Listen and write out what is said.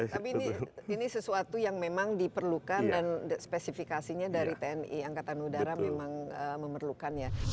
tapi ini sesuatu yang memang diperlukan dan spesifikasinya dari tni angkatan udara memang memerlukan ya